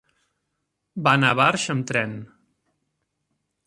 Va anar a Barx amb tren.